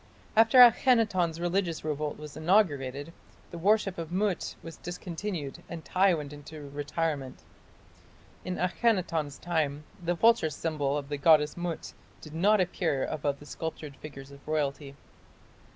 After Akhenaton's religious revolt was inaugurated, the worship of Mut was discontinued and Tiy went into retirement. In Akhenaton's time the vulture symbol of the goddess Mut did not appear above the sculptured figures of royalty.